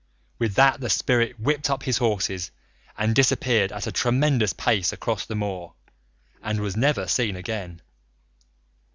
With that the spirit whipped up his horses and disappeared at a tremendous pace across the moor, and was never seen again.